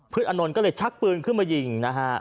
ตอนน์ก็เลยชักปืนขึ้นมายิงนะฮะ